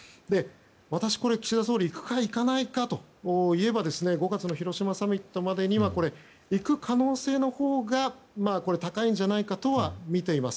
私、岸田総理行くか行かないかといえば５月の広島サミットまでには行く可能性のほうが高いんじゃないかとはみています。